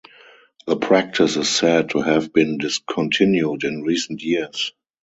The practice is said to have been discontinued in recent years.